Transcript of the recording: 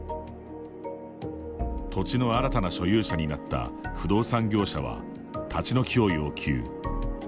土地の新たな所有者になった不動産業者は立ち退きを要求。